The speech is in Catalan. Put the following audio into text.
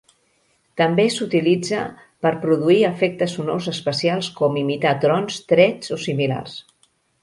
També s'utilitza per produir efectes sonors especials com imitar trons, trets o similars.